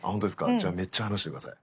じゃあめっちゃ話してください。